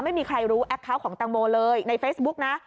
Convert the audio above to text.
ไม่มีใครรู้แอคเคาน์ของตังโมเลยในเฟซบุ๊กนะ